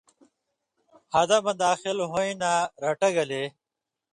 حدہ مہ داخل ہویں نہ رٹہ گیلیۡ؛